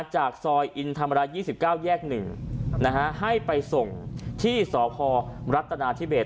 จากซอยอินธรรมรัฐยี่สิบเก้าแยกหนึ่งนะฮะให้ไปส่งที่สอพอรัฐตนาทิเบส